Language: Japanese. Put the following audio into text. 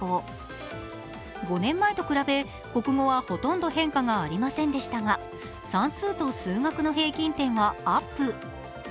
５年前と比べ国語はほとんど変化がありませんでしたが、算数と数学は平均点はアップ。